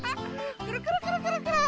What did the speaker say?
くるくるくるくるくる。